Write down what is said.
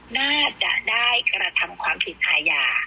น่าจะได้กระทำความผิดอาญา